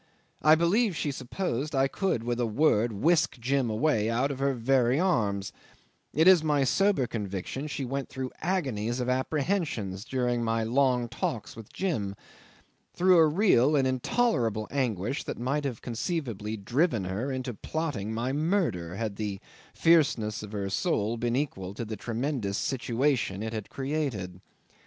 I believe she supposed I could with a word whisk Jim away out of her very arms; it is my sober conviction she went through agonies of apprehension during my long talks with Jim; through a real and intolerable anguish that might have conceivably driven her into plotting my murder, had the fierceness of her soul been equal to the tremendous situation it had created.